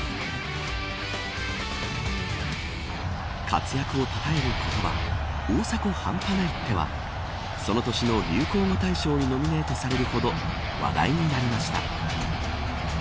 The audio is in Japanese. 活躍をたたえる言葉大迫半端ないってはその年の流行語大賞にノミネートされるほど話題になりました。